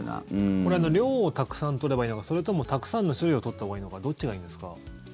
これは量をたくさん取ればいいのかそれともたくさんの種類を取ったほうがいいのかどっちがいいんですか。